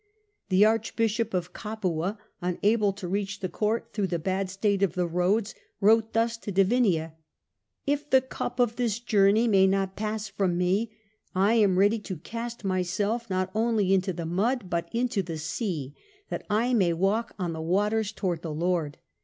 The Archbishop of Capua, unable to reach the Court through the bad state of the roads, wrote thus to de Vinea :" If the cup of this journey may not pass from me, I am ready to cast myself not only into the mud, but into the sea, that I may walk on the waters towards the Lord.